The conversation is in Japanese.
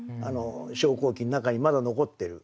昇降機の中にまだ残ってる。